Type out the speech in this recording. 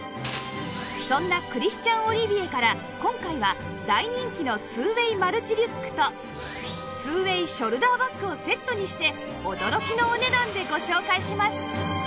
そんなクリスチャン・オリビエから今回は大人気の ２ＷＡＹ マルチリュックと ２ＷＡＹ ショルダーバッグをセットにして驚きのお値段でご紹介します